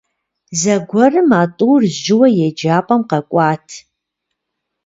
Зэгуэрым а тӏур жьыуэ еджапӏэм къэкӏуат.